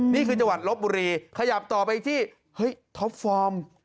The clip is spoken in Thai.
นี่คือจังหวัดลบบุรีขยับต่อไปที่เฮ้ยท็อปฟอร์ม